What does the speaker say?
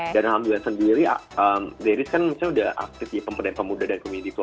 dan alhamdulillah sendiri deris kan udah aktif di pemuda dan community school